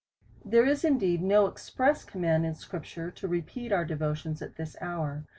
There is indeed no express command in scripture to repeat our devotions at this hour.